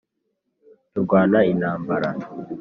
turwana intambara